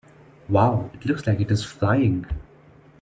Wow! It looks like it is flying!